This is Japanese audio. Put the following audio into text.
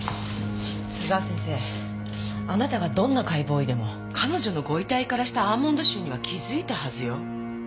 佐沢先生あなたがどんな解剖医でも彼女のご遺体からしたアーモンド臭には気づいたはずよ？